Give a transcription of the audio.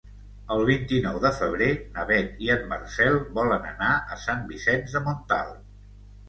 El vint-i-nou de febrer na Beth i en Marcel volen anar a Sant Vicenç de Montalt.